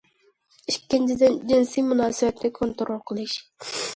ئىككىنچىدىن، جىنسىي مۇناسىۋەتنى كونترول قىلىش.